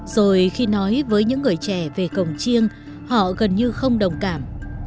rồi khi nói với những người trẻ về cồng chiêng họ gần như không đồng cảm